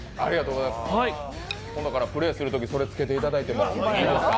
今度からプレーするときそれつけていただいてもいいですか。